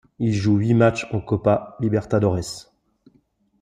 Il joue huit matchs en Copa Libertadores.